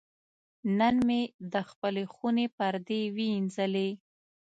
نن مې د خپلې خونې پردې وینځلې.